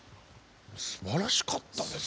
すばらしかったです。